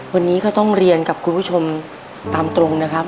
วันนี้ก็ต้องเรียนกับคุณผู้ชมตามตรงนะครับ